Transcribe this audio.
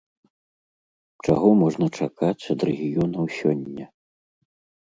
Чаго можна чакаць ад рэгіёнаў сёння?